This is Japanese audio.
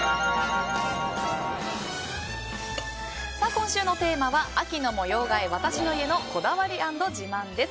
今週のテーマは秋の模様替え私の家のこだわり＆自慢です。